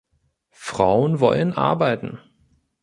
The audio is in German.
Frauen wollen arbeiten.